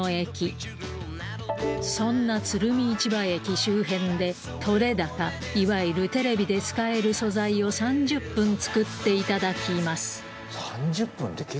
そんな鶴見市場駅周辺で撮れ高いわゆるテレビで使える素材を３０分つくっていただきます